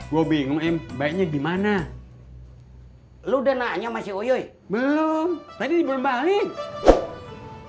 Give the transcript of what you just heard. gua bingung m baiknya gimana lu udah nanya masih oyo belum tadi belum balik